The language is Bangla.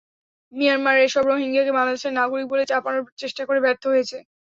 মিয়ানমার এসব রোহিঙ্গাকে বাংলাদেশের নাগরিক বলে চাপানোর চেষ্টা করে ব্যর্থ হয়েছে।